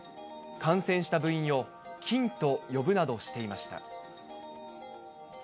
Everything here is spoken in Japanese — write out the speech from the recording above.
感染した部員を菌と呼ぶなどしていました。